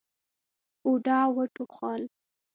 بوډا وټوخل.